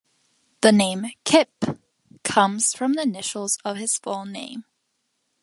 The name "Kip" comes from the initials of his full name.